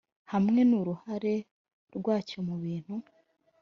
hamwe n uruhare rwacyo mu bintu